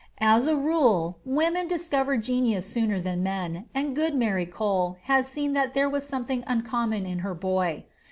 As a rule, women discover genius sooner than men, and good Mary Cole had seen that there was something uncommon in her boy.